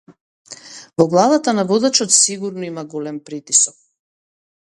Во главата на водачот сигурно има голем притисок.